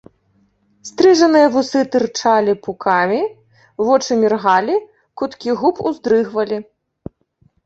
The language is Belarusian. Стрыжаныя вусы тырчалі пукамі, вочы міргалі, куткі губ уздрыгвалі.